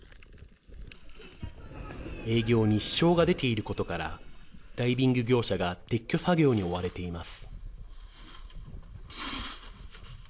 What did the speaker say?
営業に支障が出ていることから、ダイビング業者が撤去作業に追われています。